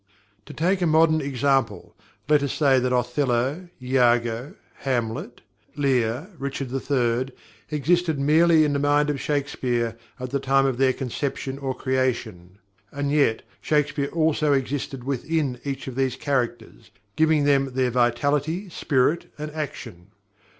To take a modern example, let us say that Othello, Iago, Hamlet, Lear, Richard III, existed merely in the mind of Shakespeare, at the time of their conception or creation. And yet, Shakespeare also existed within each of these characters, giving them their vitality, spirit, and action.